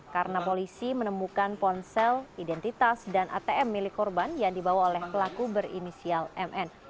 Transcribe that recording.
karena polisi menemukan ponsel identitas dan atm milik korban yang dibawa oleh pelaku berinisial mn